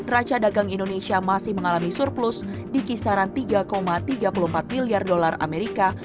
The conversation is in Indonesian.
raca dagang indonesia masih mengalami surplus di kisaran tiga tiga puluh empat miliar dolar amerika